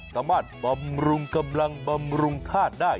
บำรุงกำลังบำรุงธาตุได้